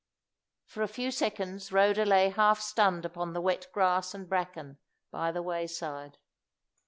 For a few seconds Rhoda lay half stunned upon the wet grass and bracken by the wayside.